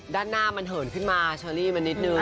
ด้านหน้ามันเหินขึ้นมาเชอรี่มันนิดนึง